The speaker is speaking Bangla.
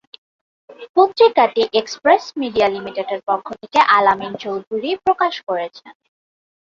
পত্রিকাটি এক্সপ্রেস মিডিয়া লিমিটেডের পক্ষ থেকে আল আমিন চৌধুরী প্রকাশ করছেন।